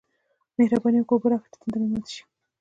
مهرباني وکه! اوبه راکه چې تنده مې ماته شي